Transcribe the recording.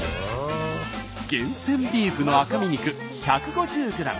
厳選ビーフの赤身肉１５０ｇ。